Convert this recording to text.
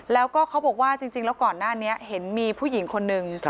แล้วก็เขาบอกว่าจริงแล้วก่อนหน้านี้เห็นมีผู้หญิงคนนึง